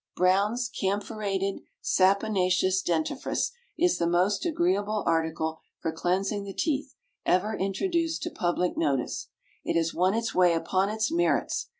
Brown's Camphorated Saponaceous Dentifrice is the most agreeable article for cleansing the teeth ever introduced to public notice. It has won its way upon its merits.